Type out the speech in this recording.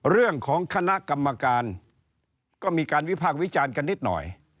เรื่องของคณะกรรมการก็มีการวิพากษ์วิจารณ์กันนิดหน่อย